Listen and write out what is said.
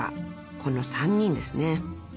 ［この３人ですね］